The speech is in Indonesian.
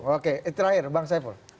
oke terakhir bang saiful